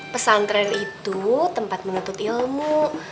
pesantren itu tempat menuntut ilmu